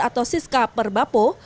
atau siska per bapo